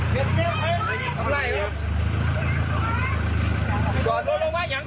จอดลงมาอย่างจอดลงมาอย่าง